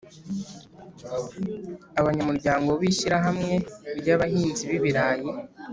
abanyamuryango b’ ishyirahamwe ry’ abahinzi b’ibirayi